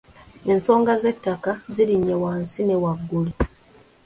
Ensonga z'ettaka zirinye wansi ne waggulu.